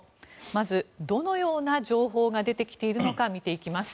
まず、どのような情報が出てきているのか見ていきます。